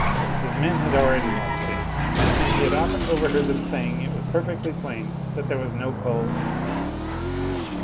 His men had already lost faith, and he often overheard them saying it was perfectly plain that there was no coal in the hill.